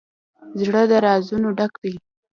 زړه د رازونو ډک دی.